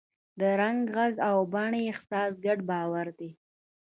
د رنګ، غږ او بڼې احساس ګډ باور دی.